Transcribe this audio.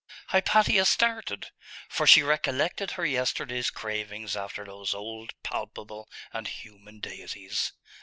Hypatia started, for she recollected her yesterday's cravings after those old, palpable, and human deities.